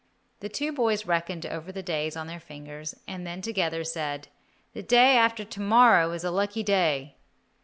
The two boys reckoned over the days on their fingers, and then together said, "The day after to morrow is a lucky day."